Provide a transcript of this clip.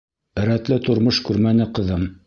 Рәтле тормош күрмәне ҡыҙым.